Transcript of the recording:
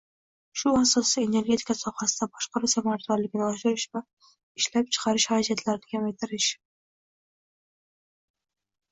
shu asosda energetika sohasida boshqaruv samaradorligini oshirish va ishlab chiqarish xarajatlarini kamaytirish